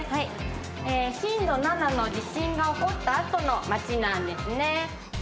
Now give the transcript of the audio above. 震度７の地震が起こったあとの町なんですね。